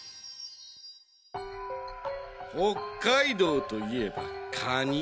北海道といえばカニ。